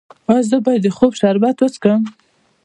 ایا زه باید د خوب شربت وڅښم؟